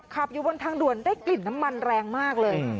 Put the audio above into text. ขับอยู่บนทางด่วนได้กลิ่นน้ำมันแรงมากเลย